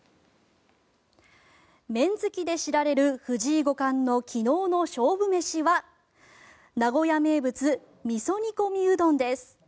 麺好きで知られる藤井五冠の昨日の勝負飯は名古屋名物みそ煮込みうどんです。